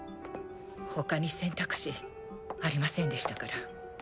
ほかに選択肢ありませんでしたから。